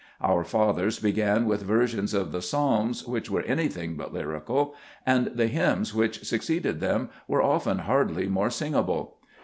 Our fathers began with versions of the Psalms which were anything but lyrical, and the hymns which succeeded them were often hardly more sing able.